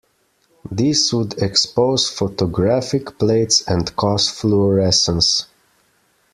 This would expose photographic plates and cause fluorescence.